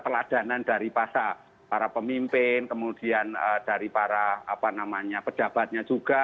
keladanan dari para pemimpin kemudian dari para pejabatnya juga